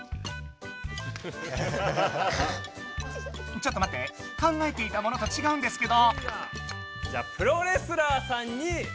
ちょっとまって考えていたものとちがうんですけど。